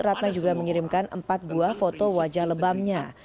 ratna juga mengirimkan empat buah foto wajah lebamnya